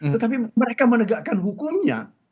tetapi mereka menegakkan hukumnya